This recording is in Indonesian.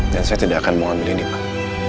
dan saya tidak akan mengambil ini pak